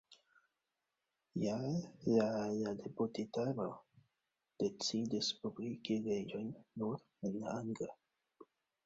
Je la la deputitaro decidis publikigi leĝojn nur en la angla.